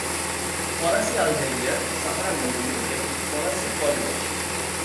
ফরাসি আলজেরিয়ার সাহারা মরুভূমি এবং ফরাসি পলিনেশিয়া।